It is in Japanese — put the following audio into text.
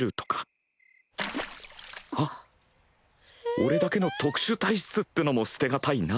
俺だけの特殊体質ってのも捨てがたいな。